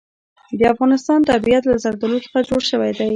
د افغانستان طبیعت له زردالو څخه جوړ شوی دی.